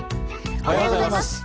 おはようございます。